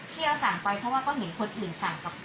ที่เราสั่งไปเขาว่าก็เห็นคนอื่นสั่งกับเขาไปด้วย